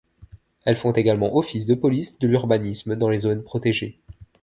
Elles font également office de police de l'urbanisme dans les zones protégées.